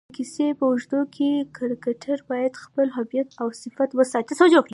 د کیسې په اوږدو کښي کرکټرباید خپل هویت اوصفات وساتي.